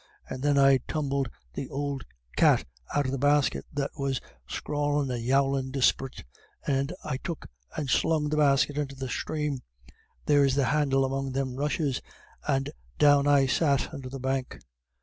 And then I tumbled th' ould cat out of the basket, that was scrawmin' and yowlin' disp'rit, and I took and slung the basket into the sthrame there's the handle among them rushes and down I sat under the bank.